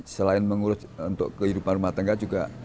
selain mengurus untuk kehidupan rumah tangga juga